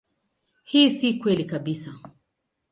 Hii si kweli kabisa.